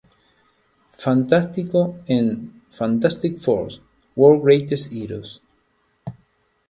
Fantástico en "Fantastic Four: World's Greatest Heroes".